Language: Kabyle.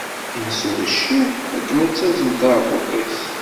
Yeswa cciḥ, akken ad tazzel tɛebbuḍt-is.